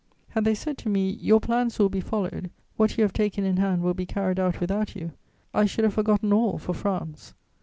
Had they said to me, "Your plans will be followed; what you have taken in hand will be carried out without you," I should have forgotten all for France.